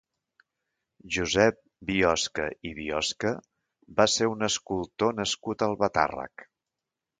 Josep Biosca i Biosca va ser un escultor nascut a Albatàrrec.